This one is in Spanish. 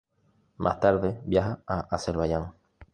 Más tarde viaja a Azerbaiyán.